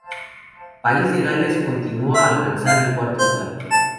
País de Gales continuó a alcanzar el cuarto lugar.